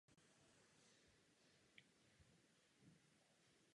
Reimerova–Tiemannova reakce tak není dobře využitelná u substrátů obsahujících tyto skupiny.